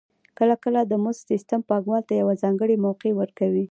کله کله د مزد سیستم پانګوال ته یوه ځانګړې موقع ورکوي